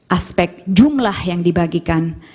aspek jumlah yang dibagikan